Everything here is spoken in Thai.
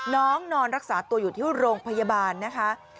นอนรักษาตัวอยู่ที่โรงพยาบาลนะคะ